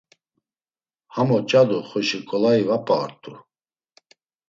Ham oç̌adu xoşi ǩolayi va p̌a ort̆u.